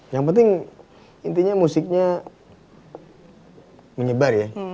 yang penting intinya musiknya menyebar ya